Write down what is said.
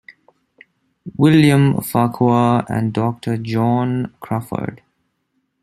William Farquhar and Doctor John Crawfurd.